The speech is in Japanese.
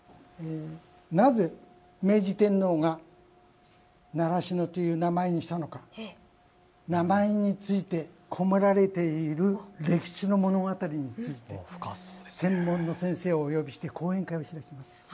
なぜ明治天皇が習志野という名前にしたのか名前について、込められている歴史の物語について専門の先生をお呼びして講演会を開きます。